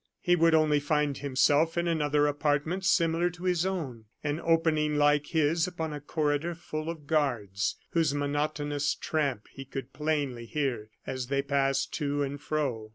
He would only find himself in another apartment similar to his own, and opening like his upon a corridor full of guards, whose monotonous tramp he could plainly hear as they passed to and fro.